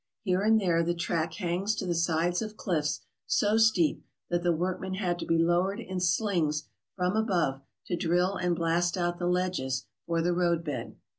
Here and there the track hangs to the sides of cliffs so steep that the workmen had to be lowered in slings from above to drill and blast out the ledges for the road bed.